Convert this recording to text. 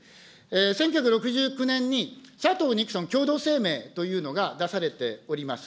１９６９年に佐藤・ニクソン共同声明というのが出されております。